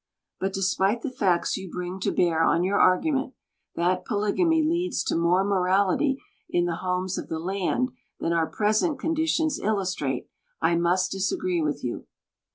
But despite the facts you bring to bear on your argument, that polygamy leads to more morality in the homes of the land than our present conditions illustrate, I must disagree with you.